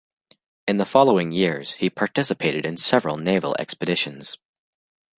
In the following years, he participated in several naval expeditions.